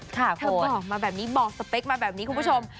เธอบอกมาแบบนี้บอกสเปคมาแบบนี้คุณผู้ชม